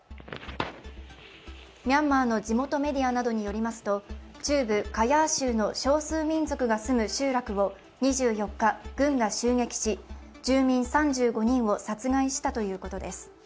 ミャンマーの地元メディアなどによりますと中部カヤー州の少数民族が住む集落を２４日、軍が襲撃し、住民３５人を殺害したということです。